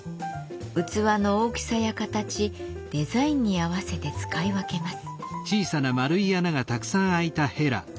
器の大きさや形デザインに合わせて使い分けます。